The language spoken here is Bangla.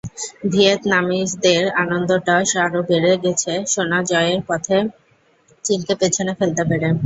ভিয়েতনামিজদের আনন্দটা আরও বেড়ে গেছে সোনা জয়ের পথে চীনকে পেছনে ফেলতে পেরে।